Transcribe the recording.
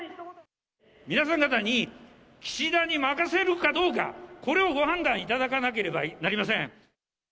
皆さん方に、岸田に任せるかどうか、これをご判断いただかなければなりません。